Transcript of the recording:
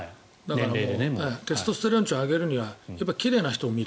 テストステロン値を上げるには奇麗な人を見る。